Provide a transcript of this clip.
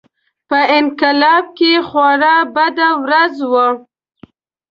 په انقلاب کې خورا بده ورځ وه.